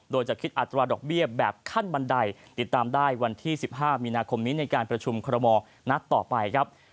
โดยจะคิดอัตราดอกเบี้ยแบบขั้นบันไดติดตามได้วันที่๑๕มีนาคมนี้ในการประชุมคอรมอลนัดต่อไปครับ